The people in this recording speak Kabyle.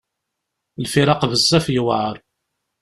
Lfiraq bezzaf yewɛer.